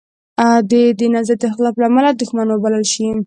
دی د نظر د اختلاف لامله دوښمن وبلل شي.